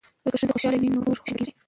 که ښځې خوشحاله وي نو کور خوشحالیږي.